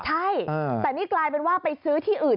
ใช่แต่นี่กลายเป็นว่าไปซื้อที่อื่น